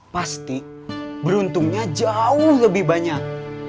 pasti beruntungnya jauh lebih banyak